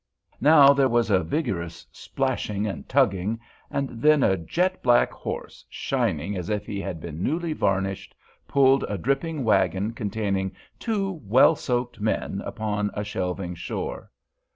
Now there was vigorous splashing and tugging, and then a jet black horse, shining as if he had been newly varnished, pulled a dripping wagon containing two well soaked men upon a shelving shore.